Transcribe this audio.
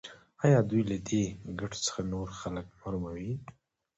آیا دوی له دې ګټو څخه نور خلک محروموي؟